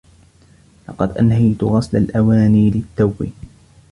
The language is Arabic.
لقد أنهيت غسل الأواني للتّو.